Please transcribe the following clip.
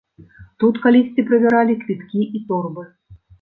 Тут калісьці правяралі квіткі і торбы!